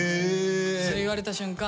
それ言われた瞬間